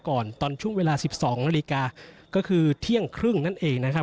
ตอนช่วงเวลา๑๒นาฬิกาก็คือเที่ยงครึ่งนั่นเองนะครับ